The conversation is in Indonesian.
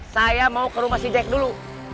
saya mau ke rumah si jack dulu